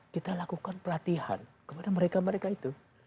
kita lakukan pelatihan kepada mereka mereka itu